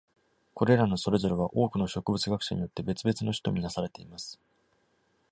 これらのそれぞれは、多くの植物学者によって別々の種と見なされています。